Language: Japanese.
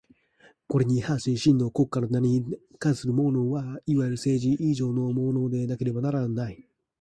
これに反し真の国家の名に価するものは、いわゆる政治以上のものでなければならない。